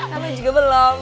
kamu juga belum